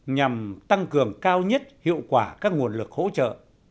nhằm tăng cường cao nhất hiệu quả các nguồn lực hỗ trợ